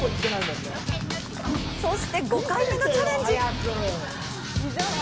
そして、５回目のチャレンジ。